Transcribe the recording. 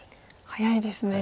早いですね。